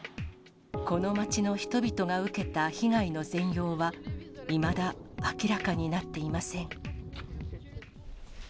この街の人々が受けた被害の全容は、いまだ明らかになっていません。